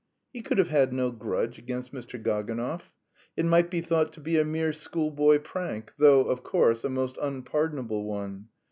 He could have had no grudge against Mr. Gaganov. It might be thought to be a mere schoolboy prank, though, of course, a most unpardonable one.